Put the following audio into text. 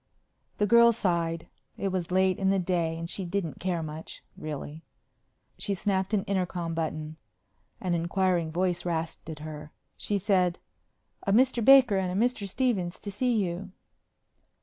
The girl sighed. It was late in the day and she didn't care much, really. She snapped an intercom button. An inquiring voice rasped at her. She said, "A Mr. Baker and a Mr. Stephens to see you."